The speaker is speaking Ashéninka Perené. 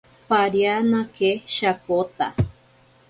Parianake shakota.